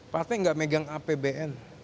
partai enggak megang apbn